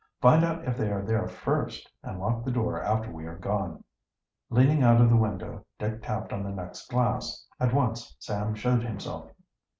"Find out if they are there first and lock the door after we are gone." Leaning out of the window Dick tapped on the next glass. At once Sam showed himself.